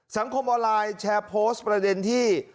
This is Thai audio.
สังคมออนไลน์แชร์โพสต์ประเด็นที่